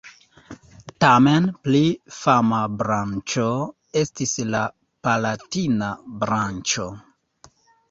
Tamen pli fama branĉo estis la palatina branĉo.